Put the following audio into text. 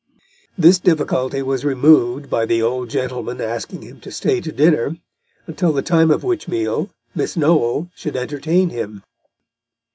This difficulty was removed by the old gentleman asking him to stay to dinner, until the time of which meal Miss Noel should entertain him.